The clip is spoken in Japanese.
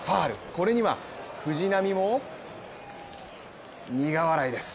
これには藤浪も苦笑いです。